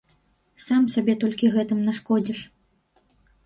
Сам сабе толькі гэтым нашкодзіш.